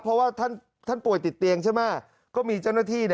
เพราะว่าท่านป่วยติดเตียงใช่ไหม